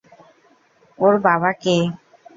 ওর বাবা কে?